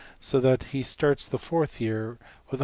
so that he starts the fourth year with £$133$.